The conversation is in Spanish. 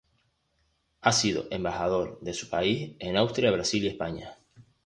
Ha sido embajador de su país en Austria, Brasil y España.